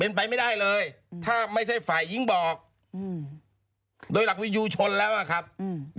เป็นไปไม่ได้เลยถ้าไม่ใช่ฝ่ายหญิงบอกอืมโดยหลักวิยูชนแล้วอ่ะครับอืม